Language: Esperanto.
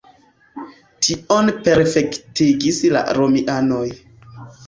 Tion perfektigis la romianoj.